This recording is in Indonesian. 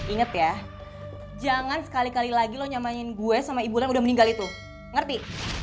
ingat ya jangan sekali kali lagi lo nyamain gue sama ibu lain yang udah meninggal itu ngerti